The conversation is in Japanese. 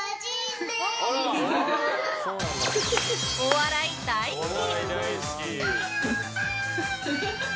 お笑い大好き。